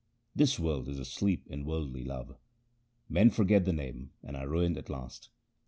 This world is asleep in worldly love. Men forget the Name and are ruined at last.